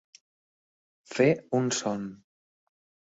Fer un son.